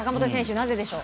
なぜでしょう。